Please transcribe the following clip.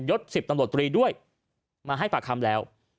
ศ๑๐ตำรวจตรีด้วยมาให้ปากคำแล้ว